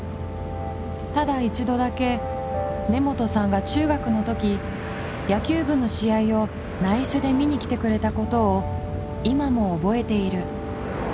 ただ一度だけ根本さんが中学の時野球部の試合をないしょで見に来てくれたことを今も覚えている。